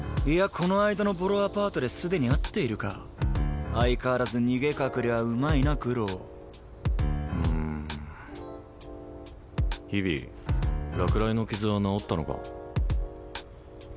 この間のボロアパートで既に会っているか相変わらず逃げ隠れはうまいな九郎ん日比落雷の傷は治ったのか？